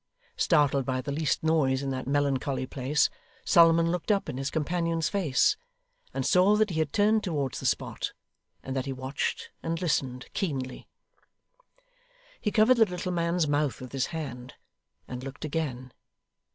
Startled by the least noise in that melancholy place, Solomon looked up in his companion's face, and saw that he had turned towards the spot, and that he watched and listened keenly. He covered the little man's mouth with his hand, and looked again.